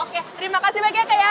oke terima kasih banyak ya kak ya